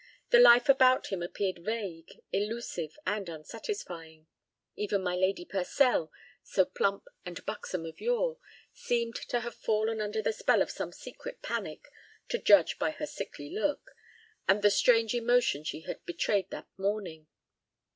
The life about him appeared vague, elusive, and unsatisfying. Even my Lady Purcell, so plump and buxom of yore, seemed to have fallen under the spell of some secret panic, to judge by her sickly look, and the strange emotion she had betrayed that morning.